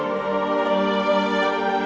mama teleponin gak aktif